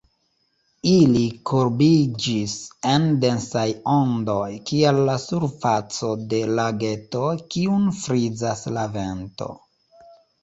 Ili kurbiĝis en densaj ondoj, kiel la surfaco de lageto, kiun frizas la vento.